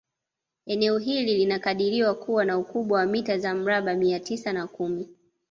Eneo hili linakadiriwa kuwa na ukubwa wa mita za mraba mia tisa na kumi